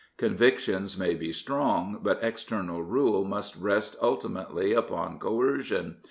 Convictions may be strong, but external rule must rest ultimately upon coercion.